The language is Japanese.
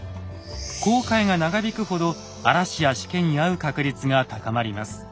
航海が長引くほど嵐やしけに遭う確率が高まります。